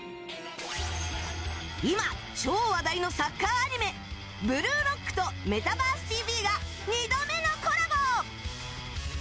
今、超話題のサッカーアニメ「ブルーロック」と「メタバースＴＶ！！」が２度目のコラボ！